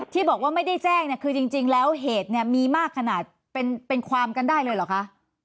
ที่บอกว่าไม่ได้แจ้งเนี่ยคือจริงแล้วเหตุเนี่ยมีมากขนาดเป็นความกันได้เลยเหรอคะ